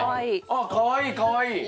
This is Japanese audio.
あっかわいいかわいい。